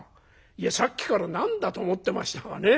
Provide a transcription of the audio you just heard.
いやさっきから何だと思ってましたがね。